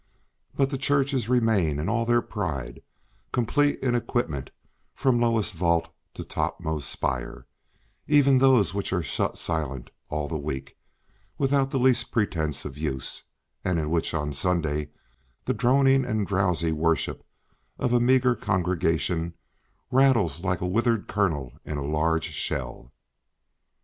But the churches remain in all their pride, complete in equipment from lowest vault to topmost spire, even those which are shut silent all the week, without the least pretence of use, and in which on Sunday the droning and drowsy worship of a meagre congregation "rattles like a withered kernel in a large shell."